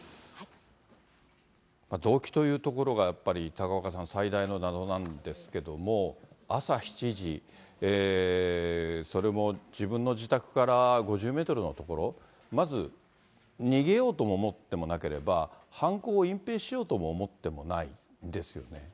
動機というところがやっぱり高岡さん、最大の謎なんですけれども、朝７時、それも自分の自宅から５０メートルの所、まず逃げようと思ってもなければ、犯行を隠蔽しようとも思っていないですよね。